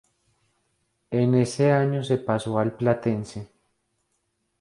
En ese año se pasó al Platense.